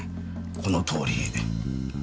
このとおり。